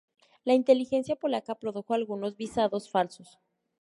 La inteligencia polaca produjo algunas visados falsos.